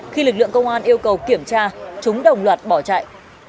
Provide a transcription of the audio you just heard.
khi lực lượng công an yêu cầu kiểm tra chúng đồng loạt bỏ chạy